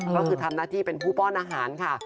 ก็คือทำหน้าที่เป็นผู้ป้อนอาหารค่ะ